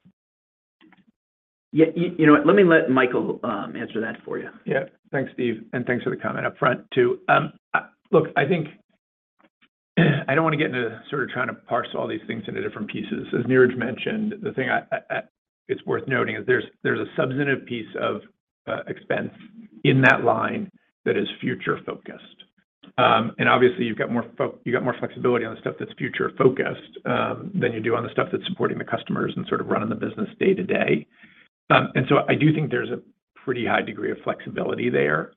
Yeah. You know what, let me let Michael answer that for you. Yeah. Thanks, Steve. Thanks for the comment up front too. Look, I think I don't wanna get into sort of trying to parse all these things into different pieces. As Niraj mentioned, it's worth noting there's a substantive piece of expense in that line that is future-focused. Obviously, you've got more flexibility on the stuff that's future-focused than you do on the stuff that's supporting the customers and sort of running the business day to day. I do think there's a pretty high degree of flexibility there.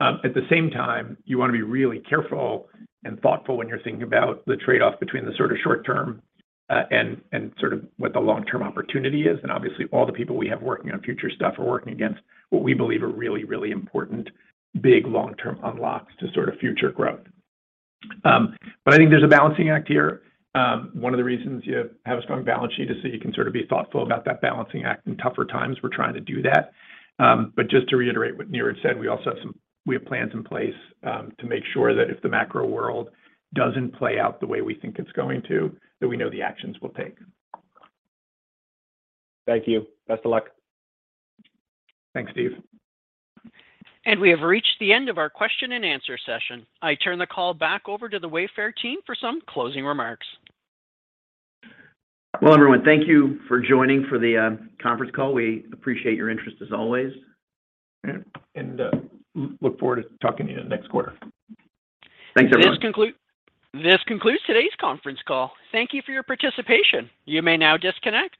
At the same time, you wanna be really careful and thoughtful when you're thinking about the trade-off between the sort of short term and sort of what the long-term opportunity is. Obviously, all the people we have working on future stuff are working against what we believe are really, really important big long-term unlocks to sort of future growth. I think there's a balancing act here. One of the reasons you have a strong balance sheet is so you can sort of be thoughtful about that balancing act. In tougher times, we're trying to do that. Just to reiterate what Niraj said, we also have plans in place to make sure that if the macro world doesn't play out the way we think it's going to, that we know the actions we'll take. Thank you. Best of luck. Thanks, Steve. We have reached the end of our Q&A session. I turn the call back over to the Wayfair team for some closing remarks. Well, everyone, thank you for joining for the conference call. We appreciate your interest as always. Look forward to talking to you next quarter. Thanks, everyone. This concludes today's Conference Call. Thank you for your participation. You may now disconnect.